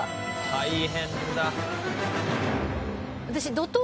大変だ。